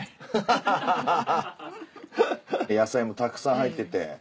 野菜もたくさん入ってて。